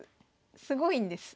すごいんです。